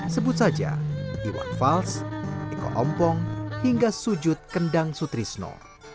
sebut saja iwan fals eko ompong hingga sujud kendang sutrisno